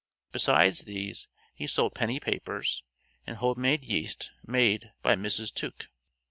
Besides these he sold penny papers, and home made yeast made by Mrs. Tuke.